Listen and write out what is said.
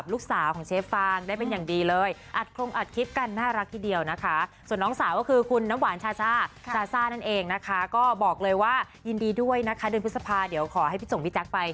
เราก็เลยรู้สึกว่าเราจะไม่เอาตัวไปเปรียบเทียบ